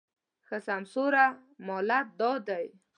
ښه سمسوره مالت دا دی